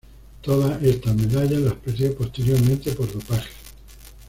Todas estas medallas las perdió posteriormente por dopaje.